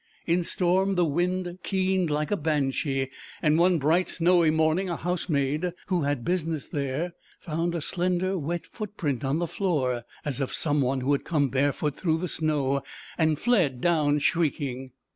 In storm the wind keened like a banshee, and one bright snowy morning a housemaid, who had business there, found a slender wet footprint on the floor as of some one who had come barefoot through the snow; and fled down shrieking.